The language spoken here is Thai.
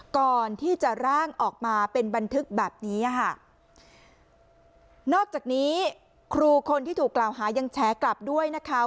ก่อนที่จะร่างออกมาเป็นบันทึกแบบนี้อ่ะค่ะนอกจากนี้ครูคนที่ถูกกล่าวหายังแฉกลับด้วยนะคะ